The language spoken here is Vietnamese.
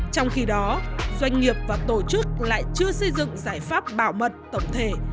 trong khi đó doanh nghiệp và tổ chức lại chưa xây dựng giải pháp bảo mật tổng thể